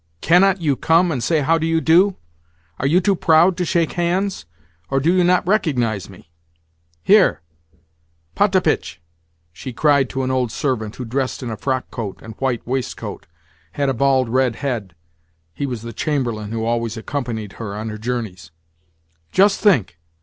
Cannot you come and say how do you do? Are you too proud to shake hands? Or do you not recognise me? Here, Potapitch!" she cried to an old servant who, dressed in a frock coat and white waistcoat, had a bald, red head (he was the chamberlain who always accompanied her on her journeys). "Just think!